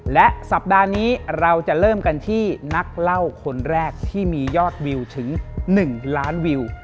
และสัปดาห์นี้เราจะเริ่มกันที่นักเล่าคนแรกที่มียอดวิวถึง๑ล้านวิว